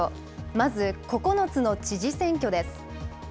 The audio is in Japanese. まず９つの知事選挙です。